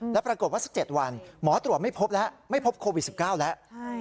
แล้วปรากฏว่าสัก๗วันหมอตรวจไม่พบแล้วไม่พบโควิด๑๙แล้ว